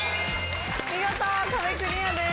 見事壁クリアです。